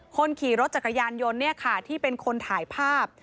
คนขี่รถจักรยานยนต์เนี่ยค่ะที่เป็นคนถ่ายภาพ